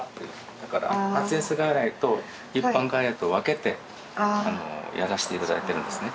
だから発熱外来と一般外来と分けてやらして頂いてるんですね。